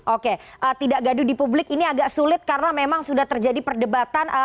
oke tidak gaduh di publik ini agak sulit karena memang sudah terjadi perdebatan